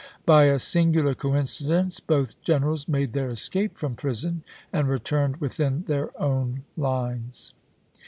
By a singular coincidence both gen erals made their escape from prison and returned within their own lines.